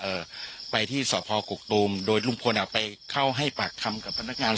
เอ่อไปที่สพกกตูมโดยลุงพลอ่ะไปเข้าให้ปากคำกับพนักงาน